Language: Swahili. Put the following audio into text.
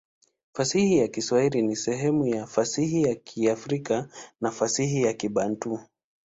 Fasihi ya Kiswahili ni sehemu ya fasihi ya Kiafrika na fasihi ya Kibantu.